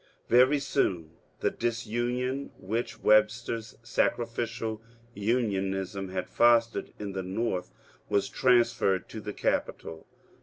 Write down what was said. Very soon the disunion which Webster's sacrificial Union ism had fostered in the North was transferred to the Capitol.